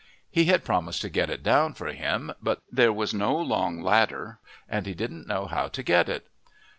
He had promised to get it down for him, but there was no long ladder and he didn't know how to get it.